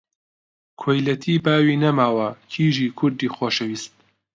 کۆیلەتی باوی نەماوە، کیژی کوردی خۆشەویست!